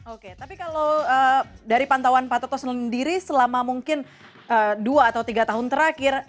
oke tapi kalau dari pantauan pak toto sendiri selama mungkin dua atau tiga tahun terakhir